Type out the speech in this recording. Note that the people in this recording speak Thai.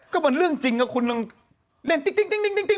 ก็มันเรื่องจริงนะคุณลองเล่นติ๊ง